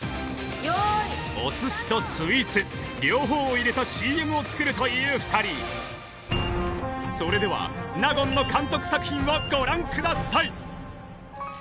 お寿司とスイーツ両方を入れたＣＭを作るという二人それでは納言の監督作品をご覧ください